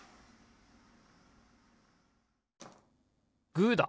グーだ！